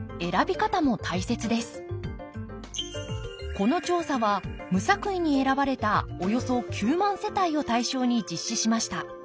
この調査は無作為に選ばれたおよそ９万世帯を対象に実施しました。